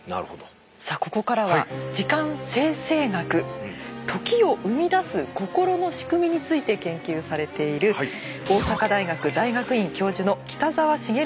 さあここからは時間生成学時を生み出す心の仕組みについて研究されている大阪大学大学院教授の北澤茂さんにも加わって頂きます。